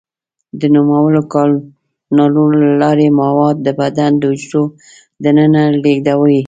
د نوموړو کانالونو له لارې مواد د بدن د حجرو دننه لیږدوي.